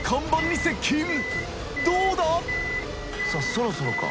そろそろか。